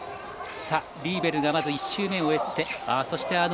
リーベルが１周目を終えて。